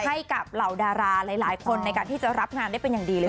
ให้กับเหล่าดาราหลายคนในการที่จะรับงานได้เป็นอย่างดีเลย